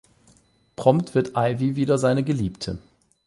Prompt wird Ivy wieder seine Geliebte.